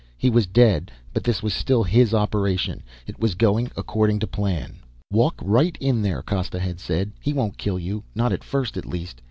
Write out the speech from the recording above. He was dead, but this was still his operation. It was going according to plan. "Walk right in there," Costa had said. "He won't kill you. Not at first, at least.